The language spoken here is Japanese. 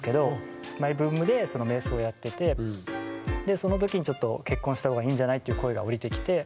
その時にちょっと「結婚したほうがいいんじゃない？」っていう声が降りてきて。